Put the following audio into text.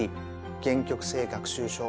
限局性学習症。